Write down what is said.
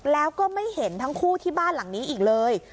แล้วก็ไม่เห็นทั้งคู่ที่บ้านหลังนี้อีกเลย